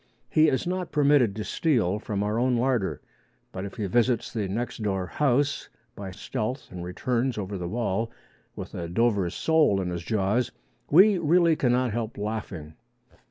He is not permitted to steal from our own larder. But if he visits the next door house by stealth and returns over the wall with a Dover sole in his jaws, we really cannot help laughing.